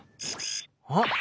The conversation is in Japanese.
あっ！